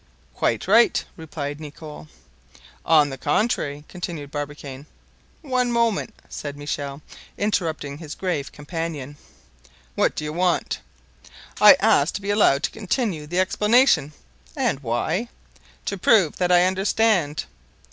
"Quite right," replied Nicholl. "On the contrary," continued Barbicane. "One moment," said Michel, interrupting his grave companion. "What do you want?" "I ask to be allowed to continue the explanation." "And why?" "To prove that I understand."